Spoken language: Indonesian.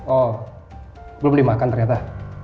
oh belum dimakan ternyata